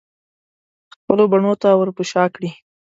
خپلو بڼو ته ورپه شا کړي